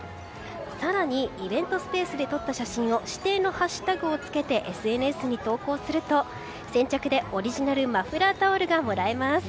更に、イベントスペースで撮った写真を指定のハッシュタグをつけてＳＮＳに投稿すると先着でオリジナルマフラータオルがもらえます。